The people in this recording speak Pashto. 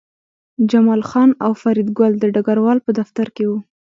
جمال خان او فریدګل د ډګروال په دفتر کې وو